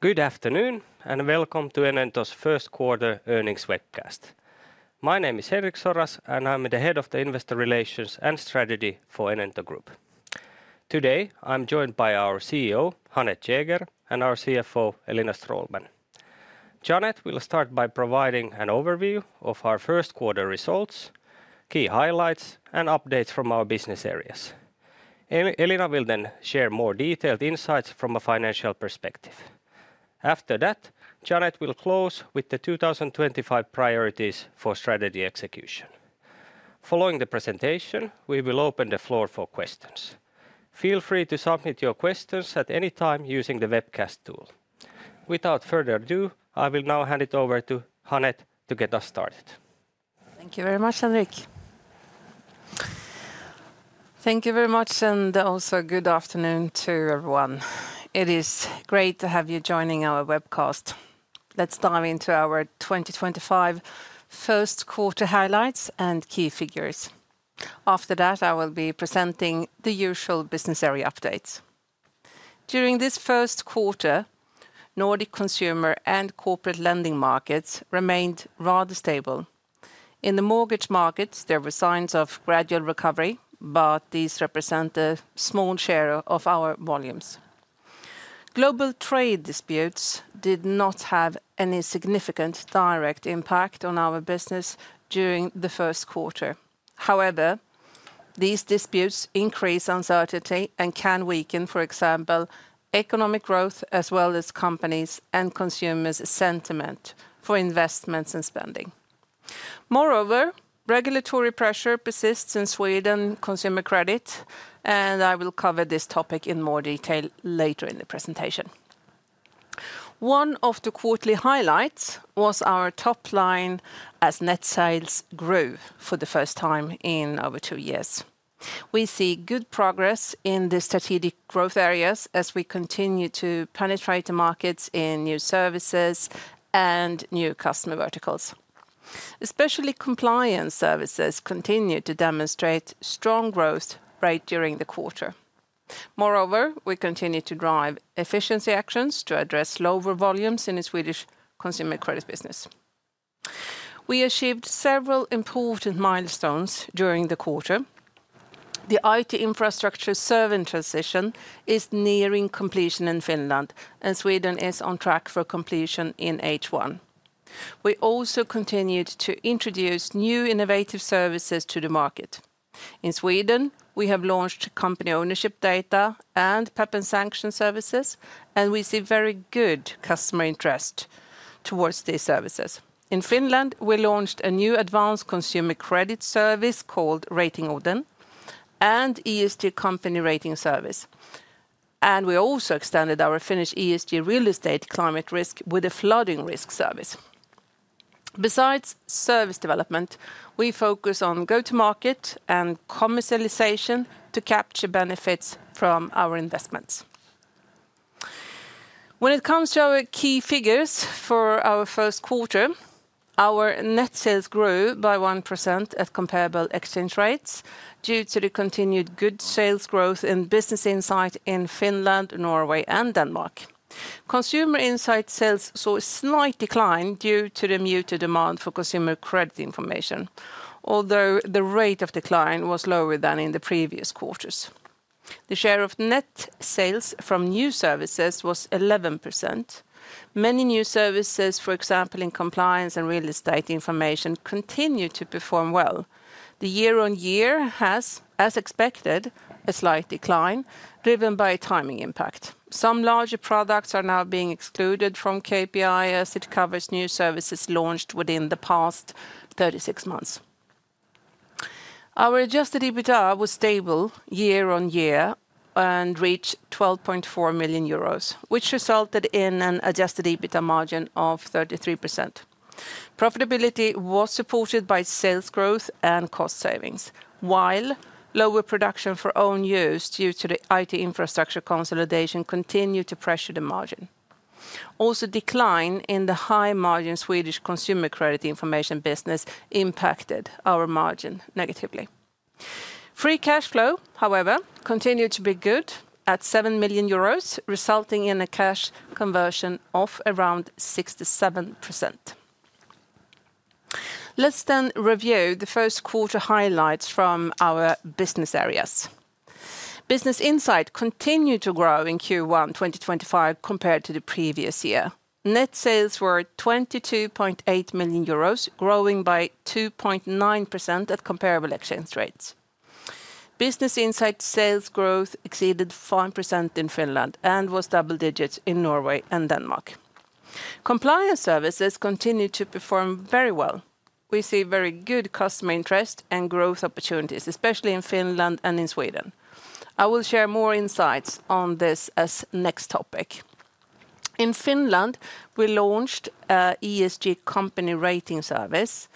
Good afternoon and welcome to Enento's First Quarter Earnings Webcast. My name is Henrik Soras and I'm the Head of Investor Relations and Strategy for Enento Group. Today I'm joined by our CEO, Jeanette Jäger, and our CFO, Elina Stråhlman. Jeanette will start by providing an overview of our first quarter results, key highlights, and updates from our business areas. Elina will then share more detailed insights from a financial perspective. After that, Jeanette will close with the 2025 priorities for strategy execution. Following the presentation, we will open the floor for questions. Feel free to submit your questions at any time using the webcast tool. Without further ado, I will now hand it over to Jeanette to get us started. Thank you very much, Henrik. Thank you very much and also good afternoon to everyone. It is great to have you joining our webcast. Let's dive into our 2025 first quarter highlights and key figures. After that, I will be presenting the usual business area updates. During this first quarter, Nordic consumer and corporate lending markets remained rather stable. In the mortgage markets, there were signs of gradual recovery, but these represent a small share of our volumes. Global trade disputes did not have any significant direct impact on our business during the first quarter. However, these disputes increase uncertainty and can weaken, for example, economic growth as well as companies' and consumers' sentiment for investments and spending. Moreover, regulatory pressure persists in Sweden on consumer credit, and I will cover this topic in more detail later in the presentation. One of the quarterly highlights was our top line as net sales grew for the first time in over two years. We see good progress in the strategic growth areas as we continue to penetrate the markets in new services and new customer verticals. Especially compliance services continue to demonstrate strong growth rate during the quarter. Moreover, we continue to drive efficiency actions to address lower volumes in the Swedish consumer credit business. We achieved several important milestones during the quarter. The IT infrastructure serving transition is nearing completion in Finland, and Sweden is on track for completion in H1. We also continued to introduce new innovative services to the market. In Sweden, we have launched company ownership data and PEP and sanction services, and we see very good customer interest towards these services. In Finland, we launched a new advanced consumer credit service called Rating Odin and ESG company rating service. We also extended our Finnish ESG real estate climate risk with a flooding risk service. Besides service development, we focus on go-to-market and commercialization to capture benefits from our investments. When it comes to our key figures for our first quarter, our net sales grew by 1% at comparable exchange rates due to the continued good sales growth in Business Insight in Finland, Norway, and Denmark. Consumer Insight sales saw a slight decline due to the muted demand for consumer credit information, although the rate of decline was lower than in the previous quarters. The share of net sales from new services was 11%. Many new services, for example, in compliance and real estate information, continue to perform well. The year-on-year has, as expected, a slight decline driven by timing impact. Some larger products are now being excluded from KPI as it covers new services launched within the past 36 months. Our adjusted EBITDA was stable year-on-year and reached €12.4 million, which resulted in an adjusted EBITDA margin of 33%. Profitability was supported by sales growth and cost savings, while lower production for own use due to the IT infrastructure consolidation continued to pressure the margin. Also, decline in the high-margin Swedish consumer credit information business impacted our margin negatively. Free cash flow, however, continued to be good at €7 million, resulting in a cash conversion of around 67%. Let's then review the first quarter highlights from our business areas. Business Insight continued to grow in Q1 2025 compared to the previous year. Net sales were €22.8 million, growing by 2.9% at comparable exchange rates. Business Insight sales growth exceeded 5% in Finland and was double digits in Norway and Denmark. Compliance services continued to perform very well. We see very good customer interest and growth opportunities, especially in Finland and in Sweden. I will share more insights on this as next topic. In Finland, we launched an ESG company rating service.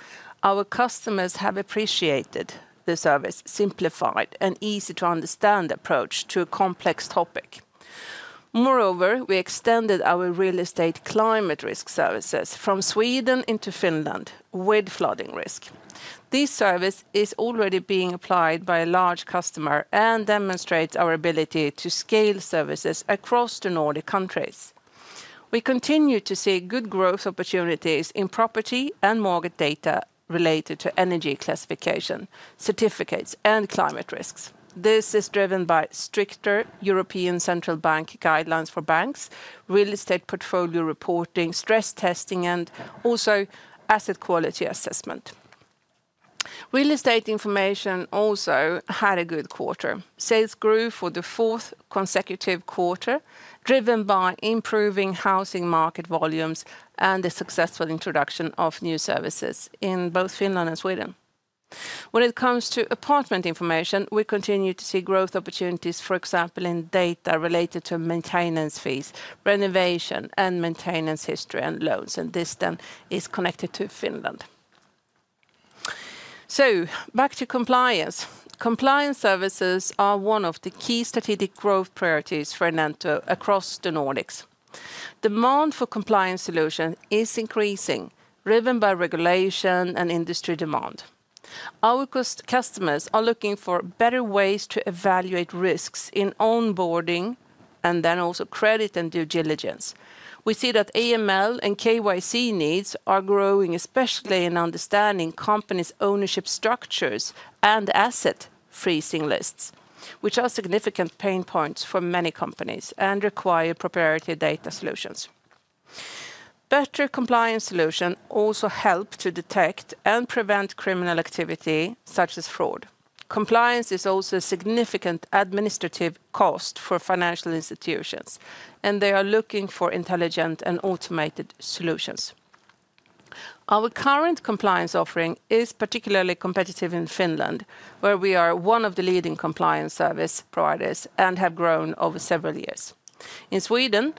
Our customers have appreciated the service's simplified and easy-to-understand approach to a complex topic. Moreover, we extended our real estate climate risk services from Sweden into Finland with flooding risk. This service is already being applied by a large customer and demonstrates our ability to scale services across the Nordic countries. We continue to see good growth opportunities in property and mortgage data related to energy classification, certificates, and climate risks. This is driven by stricter European Central Bank guidelines for banks, real estate portfolio reporting, stress testing, and also asset quality assessment. Real estate information also had a good quarter. Sales grew for the fourth consecutive quarter, driven by improving housing market volumes and the successful introduction of new services in both Finland and Sweden. When it comes to apartment information, we continue to see growth opportunities, for example, in data related to maintenance fees, renovation, and maintenance history and loans. This then is connected to Finland. Back to compliance. Compliance services are one of the key strategic growth priorities for Enento across the Nordics. Demand for compliance solutions is increasing, driven by regulation and industry demand. Our customers are looking for better ways to evaluate risks in onboarding and then also credit and due diligence. We see that AML and KYC needs are growing, especially in understanding companies' ownership structures and asset freezing lists, which are significant pain points for many companies and require proprietary data solutions. Better compliance solutions also help to detect and prevent criminal activity such as fraud. Compliance is also a significant administrative cost for financial institutions, and they are looking for intelligent and automated solutions. Our current compliance offering is particularly competitive in Finland, where we are one of the leading compliance service providers and have grown over several years. In Sweden,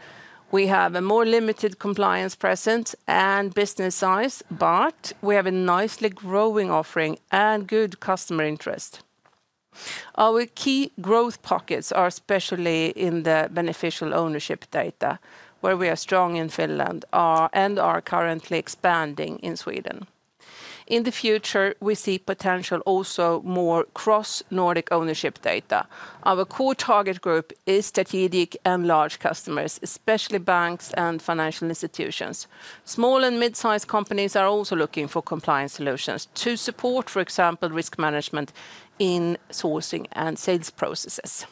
we have a more limited compliance presence and business size, but we have a nicely growing offering and good customer interest. Our key growth pockets are especially in the beneficial ownership data, where we are strong in Finland and are currently expanding in Sweden. In the future, we see potential also more cross-Nordic ownership data. Our core target group is strategic and large customers, especially banks and financial institutions. Small and mid-sized companies are also looking for compliance solutions to support, for example, risk management in sourcing and sales processes.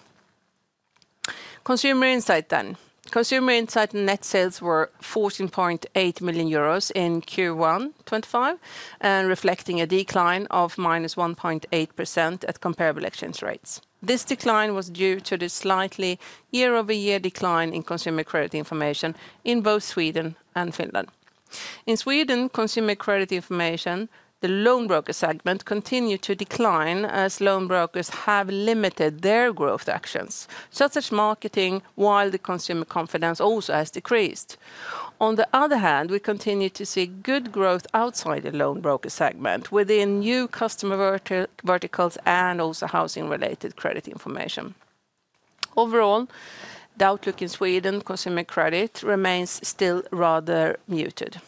Consumer insight then. Consumer insight and net sales were €14.8 million in Q1 2025 and reflecting a decline of -1.8% at comparable exchange rates. This decline was due to the slightly year-over-year decline in consumer credit information in both Sweden and Finland. In Sweden, consumer credit information, the loan broker segment, continued to decline as loan brokers have limited their growth actions, such as marketing, while the consumer confidence also has decreased. On the other hand, we continue to see good growth outside the loan broker segment within new customer verticals and also housing-related credit information. Overall, the outlook in Sweden for consumer credit remains still rather muted.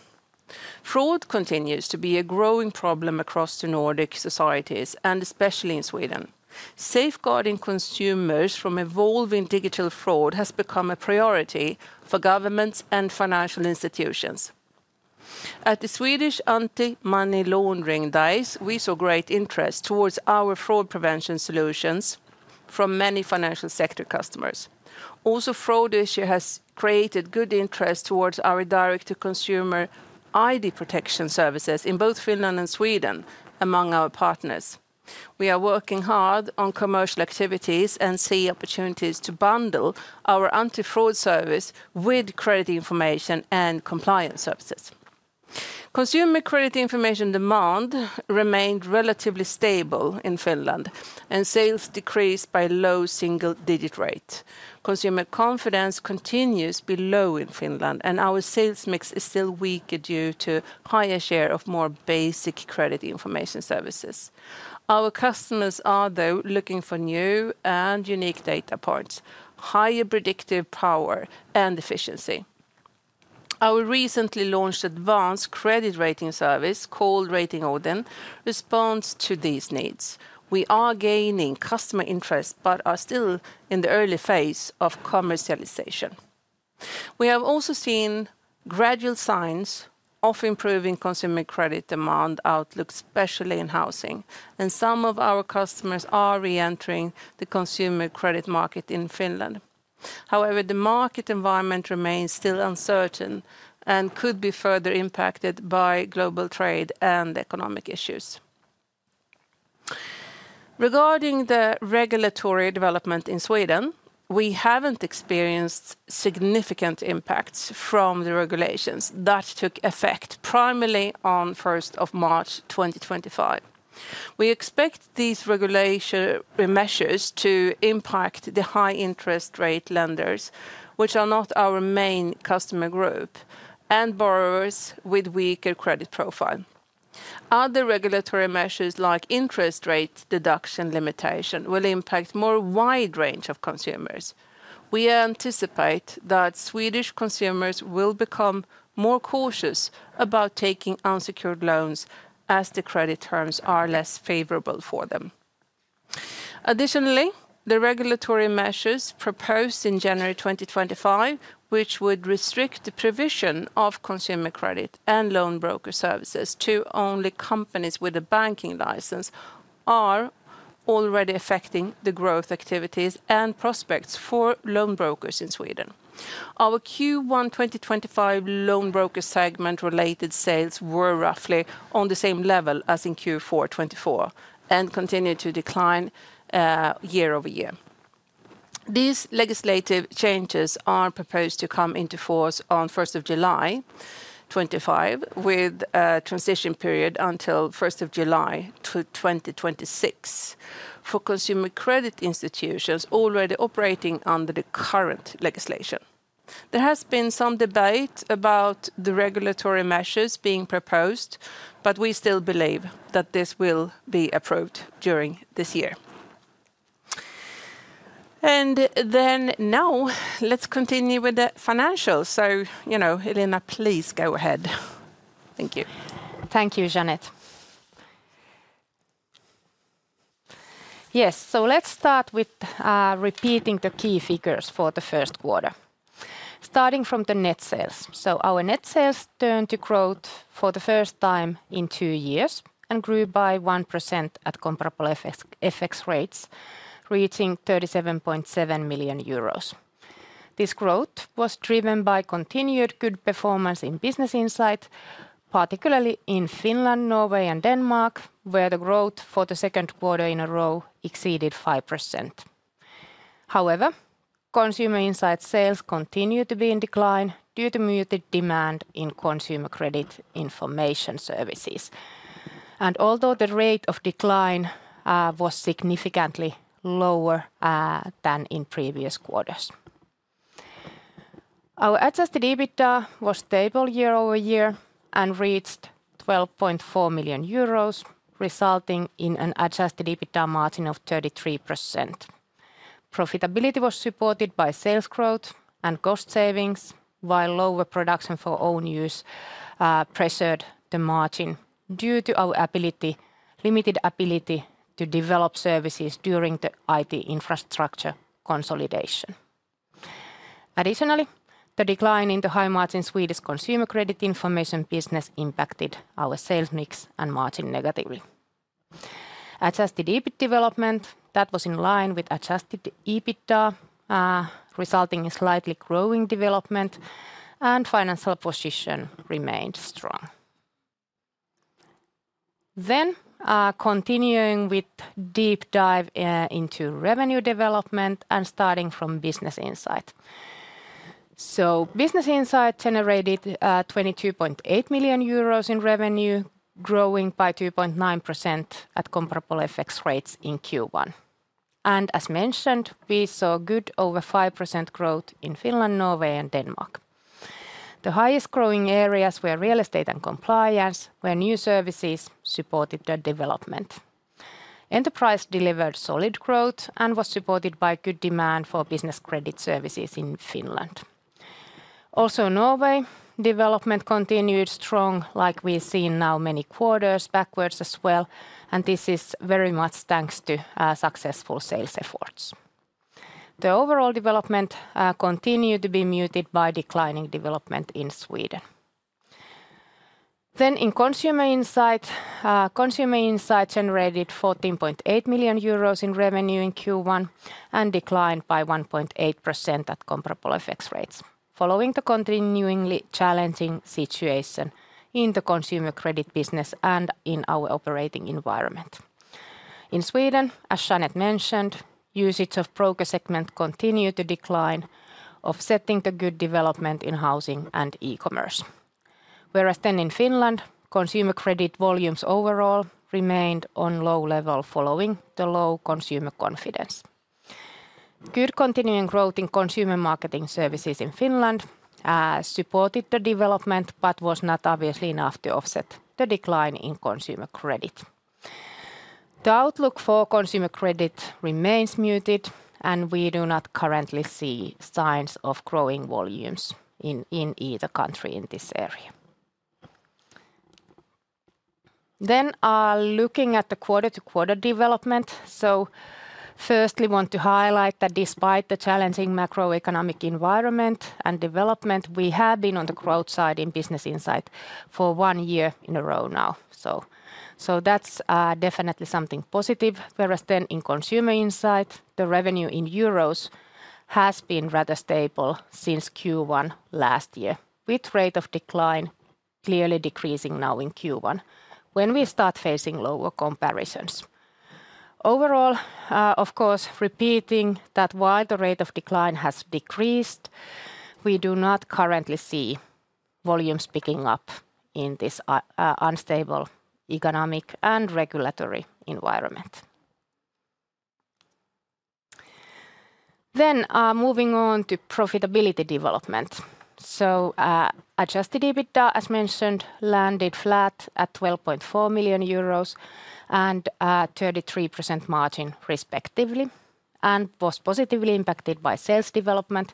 Fraud continues to be a growing problem across the Nordic societies, and especially in Sweden. Safeguarding consumers from evolving digital fraud has become a priority for governments and financial institutions. At the Swedish Anti-Money Laundering Days, we saw great interest towards our fraud prevention solutions from many financial sector customers. Also, fraud issues have created good interest towards our direct-to-consumer ID protection services in both Finland and Sweden among our partners. We are working hard on commercial activities and see opportunities to bundle our anti-fraud service with credit information and compliance services. Consumer credit information demand remained relatively stable in Finland, and sales decreased by low single-digit rates. Consumer confidence continues to be low in Finland, and our sales mix is still weaker due to a higher share of more basic credit information services. Our customers are, though, looking for new and unique data points, higher predictive power, and efficiency. Our recently launched advanced credit rating service called Rating Odin responds to these needs. We are gaining customer interest but are still in the early phase of commercialization. We have also seen gradual signs of improving consumer credit demand outlook, especially in housing, and some of our customers are re-entering the consumer credit market in Finland. However, the market environment remains still uncertain and could be further impacted by global trade and economic issues. Regarding the regulatory development in Sweden, we have not experienced significant impacts from the regulations that took effect primarily on 1 March 2025. We expect these regulatory measures to impact the high-interest rate lenders, which are not our main customer group, and borrowers with weaker credit profile. Other regulatory measures like interest rate deduction limitation will impact a more wide range of consumers. We anticipate that Swedish consumers will become more cautious about taking unsecured loans as the credit terms are less favorable for them. Additionally, the regulatory measures proposed in January 2025, which would restrict the provision of consumer credit and loan broker services to only companies with a banking license, are already affecting the growth activities and prospects for loan brokers in Sweden. Our Q1 2025 loan broker segment-related sales were roughly on the same level as in Q4 2024 and continue to decline year-over-year. These legislative changes are proposed to come into force on 1 July 2025, with a transition period until 1 July 2026 for consumer credit institutions already operating under the current legislation. There has been some debate about the regulatory measures being proposed, but we still believe that this will be approved during this year. Now let's continue with the financials. You know, Elina, please go ahead. Thank you. Thank you, Jeanette. Yes, let's start with repeating the key figures for the first quarter, starting from the net sales. Our net sales turned to growth for the first time in two years and grew by 1% at comparable effects rates, reaching €37.7 million. This growth was driven by continued good performance in Business Insight, particularly in Finland, Norway, and Denmark, where the growth for the second quarter in a row exceeded 5%. However, consumer insight sales continued to be in decline due to muted demand in consumer credit information services. Although the rate of decline was significantly lower than in previous quarters, our adjusted EBITDA was stable year-over-year and reached €12.4 million, resulting in an adjusted EBITDA margin of 33%. Profitability was supported by sales growth and cost savings, while lower production for own use pressured the margin due to our limited ability to develop services during the IT infrastructure consolidation. Additionally, the decline in the high-margin Swedish consumer credit information business impacted our sales mix and margin negatively. Adjusted EBIT development was in line with adjusted EBITDA, resulting in slightly growing development, and financial position remained strong. Continuing with a deep dive into revenue development and starting from Business Insight. Business Insight generated €22.8 million in revenue, growing by 2.9% at comparable effects rates in Q1. As mentioned, we saw good over 5% growth in Finland, Norway, and Denmark. The highest growing areas were real estate and compliance, where new services supported the development. Enterprise delivered solid growth and was supported by good demand for business credit services in Finland. Also, Norway development continued strong, like we've seen now many quarters backwards as well. This is very much thanks to successful sales efforts. The overall development continued to be muted by declining development in Sweden. In Consumer Insight, Consumer Insight generated €14.8 million in revenue in Q1 and declined by 1.8% at comparable effects rates, following the continuingly challenging situation in the consumer credit business and in our operating environment. In Sweden, as Jeanette mentioned, usage of broker segment continued to decline, offsetting the good development in housing and e-commerce. Whereas in Finland, consumer credit volumes overall remained on a low level following the low consumer confidence. Good continuing growth in consumer marketing services in Finland supported the development but was not obviously enough to offset the decline in consumer credit. The outlook for consumer credit remains muted, and we do not currently see signs of growing volumes in either country in this area. Looking at the quarter-to-quarter development, first we want to highlight that despite the challenging macroeconomic environment and development, we have been on the growth side in Business Insight for one year in a row now. That is definitely something positive. Whereas in Consumer Insight, the revenue in euros has been rather stable since Q1 last year, with rate of decline clearly decreasing now in Q1 when we start facing lower comparisons. Overall, of course, repeating that while the rate of decline has decreased, we do not currently see volumes picking up in this unstable economic and regulatory environment. Moving on to profitability development. Adjusted EBITDA, as mentioned, landed flat at €12.4 million and 33% margin, respectively, and was positively impacted by sales development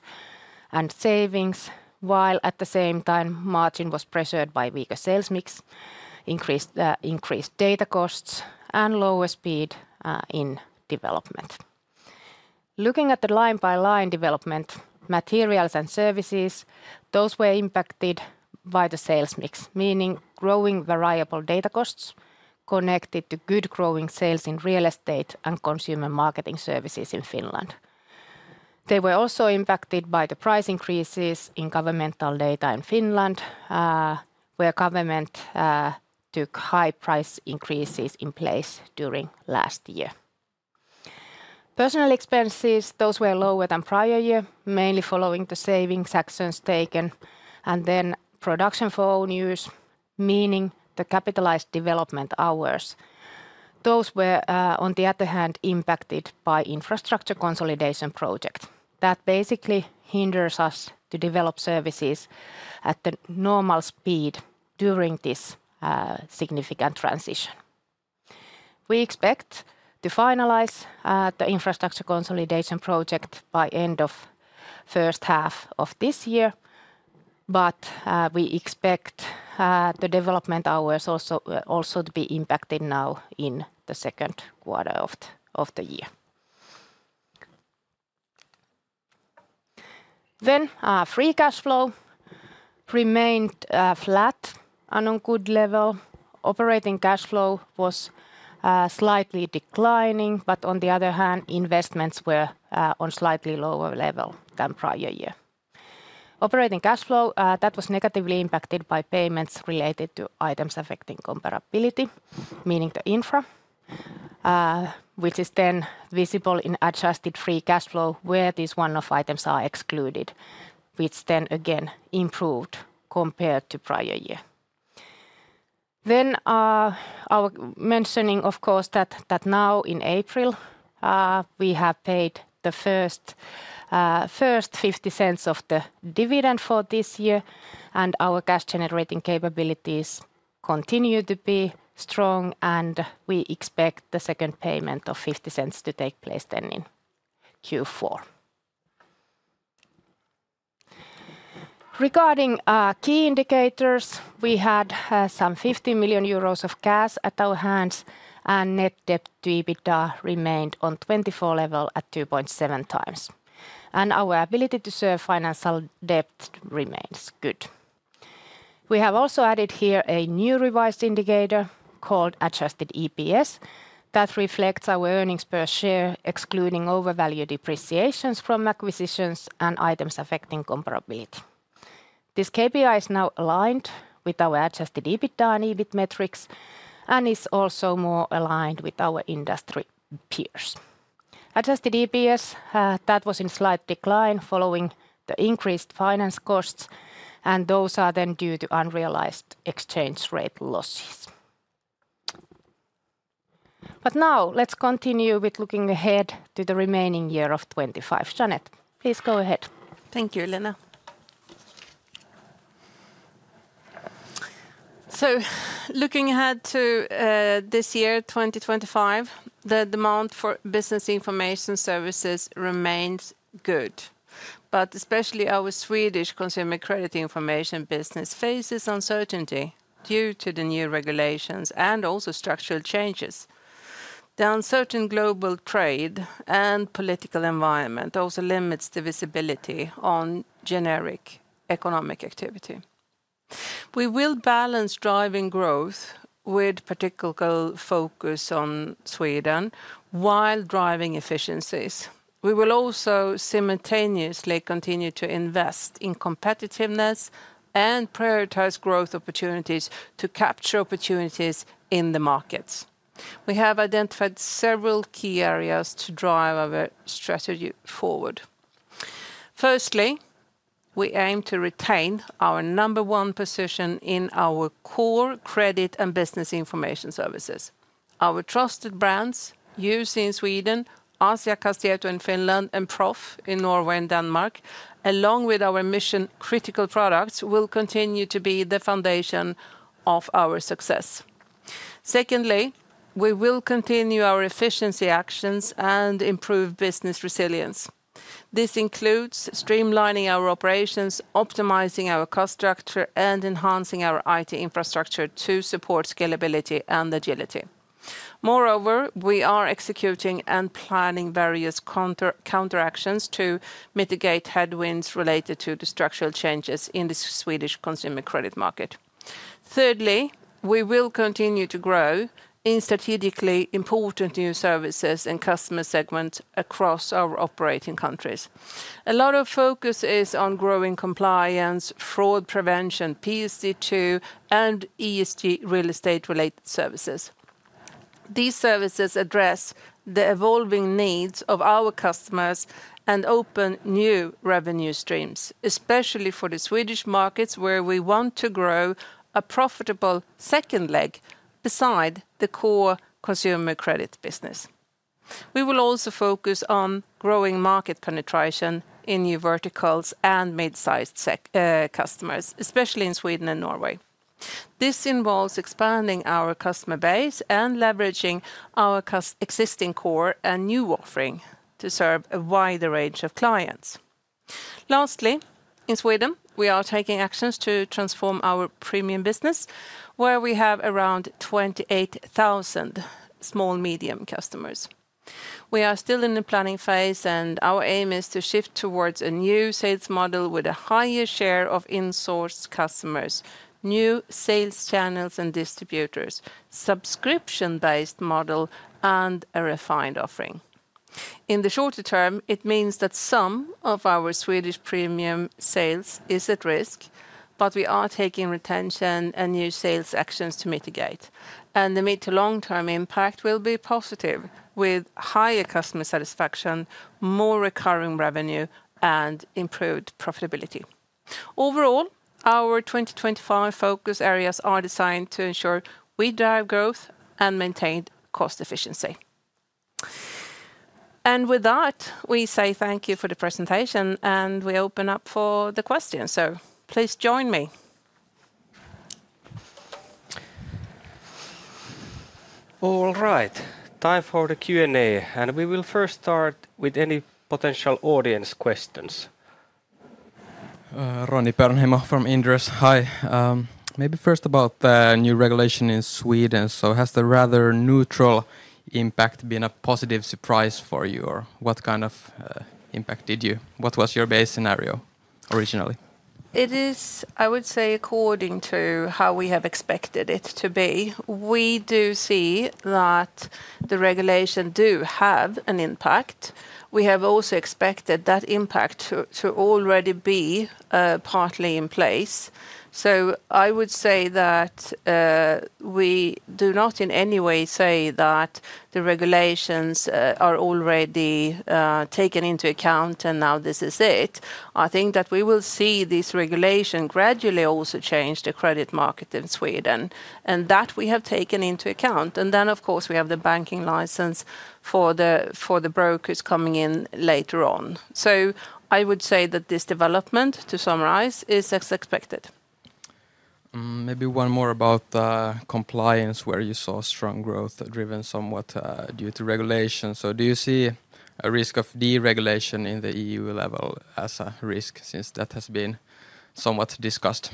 and savings, while at the same time margin was pressured by weaker sales mix, increased data costs, and lower speed in development. Looking at the line-by-line development, materials and services, those were impacted by the sales mix, meaning growing variable data costs connected to good growing sales in real estate and consumer marketing services in Finland. They were also impacted by the price increases in governmental data in Finland, where government took high price increases in place during last year. Personnel expenses, those were lower than prior year, mainly following the savings actions taken, and then production for own use, meaning the capitalized development hours. Those were, on the other hand, impacted by infrastructure consolidation projects that basically hinder us from developing services at the normal speed during this significant transition. We expect to finalize the infrastructure consolidation project by the end of the first half of this year, but we expect the development hours also to be impacted now in the second quarter of the year. Free cash flow remained flat on a good level. Operating cash flow was slightly declining, but on the other hand, investments were on a slightly lower level than prior year. Operating cash flow was negatively impacted by payments related to items affecting comparability, meaning the infra, which is then visible in adjusted free cash flow, where these one-off items are excluded, which then again improved compared to prior year. I will mention, of course, that now in April, we have paid the first €0.50 of the dividend for this year, and our cash-generating capabilities continue to be strong, and we expect the second payment of €0.50 to take place in Q4. Regarding key indicators, we had some €50 million of cash at our hands, and net debt to EBITDA remained on a 2024 level at 2.7 times, and our ability to serve financial debt remains good. We have also added here a new revised indicator called adjusted EPS that reflects our earnings per share, excluding overvalued depreciations from acquisitions and items affecting comparability. This KPI is now aligned with our adjusted EBITDA and EBIT metrics and is also more aligned with our industry peers. Adjusted EPS that was in slight decline following the increased finance costs, and those are then due to unrealized exchange rate losses. Now let's continue with looking ahead to the remaining year of 2025. Jeanette, please go ahead. Thank you, Elina. Looking ahead to this year, 2025, the demand for business information services remains good, but especially our Swedish consumer credit information business faces uncertainty due to the new regulations and also structural changes. The uncertain global trade and political environment also limits the visibility on generic economic activity. We will balance driving growth with particular focus on Sweden while driving efficiencies. We will also simultaneously continue to invest in competitiveness and prioritize growth opportunities to capture opportunities in the markets. We have identified several key areas to drive our strategy forward. Firstly, we aim to retain our number one position in our core credit and business information services. Our trusted brands UC in Sweden, Asiakastieto in Finland, and Proff in Norway and Denmark, along with our mission-critical products, will continue to be the foundation of our success. Secondly, we will continue our efficiency actions and improve business resilience. This includes streamlining our operations, optimizing our cost structure, and enhancing our IT infrastructure to support scalability and agility. Moreover, we are executing and planning various counteractions to mitigate headwinds related to the structural changes in the Swedish consumer credit market. Thirdly, we will continue to grow in strategically important new services and customer segments across our operating countries. A lot of focus is on growing compliance, fraud prevention, PSD2, and ESG real estate-related services. These services address the evolving needs of our customers and open new revenue streams, especially for the Swedish markets, where we want to grow a profitable second leg beside the core consumer credit business. We will also focus on growing market penetration in new verticals and mid-sized customers, especially in Sweden and Norway. This involves expanding our customer base and leveraging our existing core and new offering to serve a wider range of clients. Lastly, in Sweden, we are taking actions to transform our premium business, where we have around 28,000 small-medium customers. We are still in the planning phase, and our aim is to shift towards a new sales model with a higher share of in-source customers, new sales channels and distributors, subscription-based model, and a refined offering. In the shorter term, it means that some of our Swedish premium sales is at risk, but we are taking retention and new sales actions to mitigate, and the mid-to-long-term impact will be positive, with higher customer satisfaction, more recurring revenue, and improved profitability. Overall, our 2025 focus areas are designed to ensure we drive growth and maintain cost efficiency. With that, we say thank you for the presentation, and we open up for the questions. Please join me. All right, time for the Q&A, and we will first start with any potential audience questions. Roni Peuranhiemo from Inderes. Hi. Maybe first about the new regulation in Sweden. Has the rather neutral impact been a positive surprise for you, or what kind of impact did you—what was your base scenario originally? It is, I would say, according to how we have expected it to be. We do see that the regulation does have an impact. We have also expected that impact to already be partly in place. I would say that we do not in any way say that the regulations are already taken into account and now this is it. I think that we will see this regulation gradually also change the credit market in Sweden, and that we have taken into account. Of course, we have the banking license for the brokers coming in later on. I would say that this development, to summarize, is as expected. Maybe one more about compliance, where you saw strong growth driven somewhat due to regulation. Do you see a risk of deregulation in the EU-level as a risk since that has been somewhat discussed?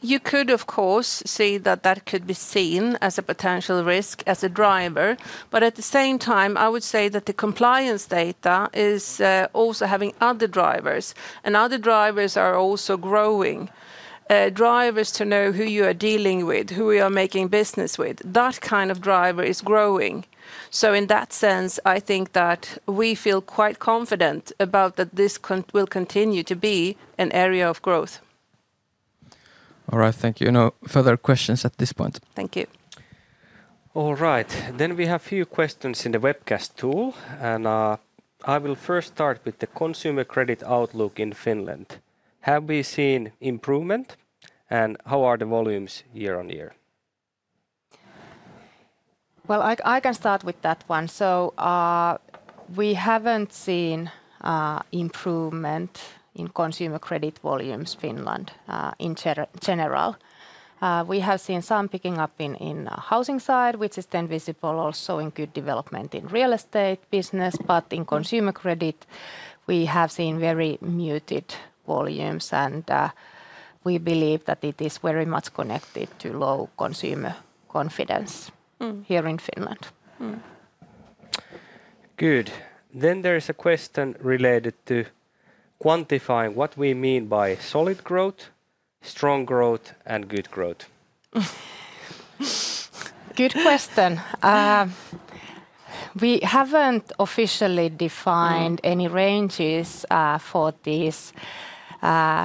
You could, of course, see that that could be seen as a potential risk as a driver, but at the same time, I would say that the compliance data is also having other drivers, and other drivers are also growing. Drivers to know who you are dealing with, who you are making business with, that kind of driver is growing. In that sense, I think that we feel quite confident about that this will continue to be an area of growth. All right, thank you. No further questions at this point. Thank you. All right, we have a few questions in the webcast tool, and I will first start with the consumer credit outlook in Finland. Have we seen improvement, and how are the volumes year on year? I can start with that one. We haven't seen improvement in consumer credit volumes in Finland in general. We have seen some picking up in the housing side, which is then visible also in good development in real estate business, but in consumer credit, we have seen very muted volumes, and we believe that it is very much connected to low consumer confidence here in Finland. Good. There is a question related to quantifying what we mean by solid growth, strong growth, and good growth. Good question. We have not officially defined any ranges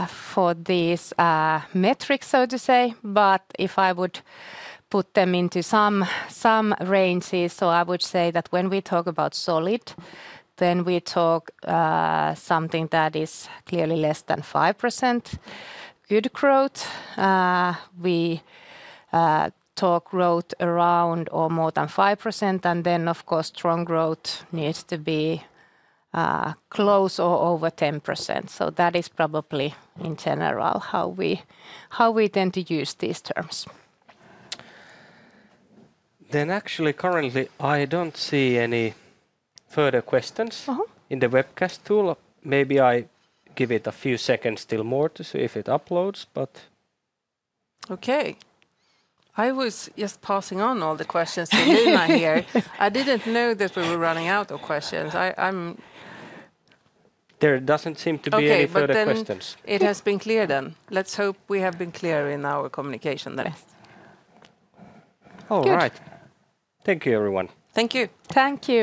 for these metrics, so to say, but if I would put them into some ranges, I would say that when we talk about solid, then we talk about something that is clearly less than 5% good growth. We talk growth around or more than 5%, and, of course, strong growth needs to be close or over 10%. That is probably in general how we tend to use these terms. Actually, currently I don't see any further questions in the webcast tool. Maybe I give it a few seconds still more to see if it uploads. Okay. I was just passing on all the questions to Elina here. I didn't know that we were running out of questions. There doesn't seem to be any further questions. It has been clear then. Let's hope we have been clear in our communication then. All right. Thank you, everyone. Thank you. Thank you.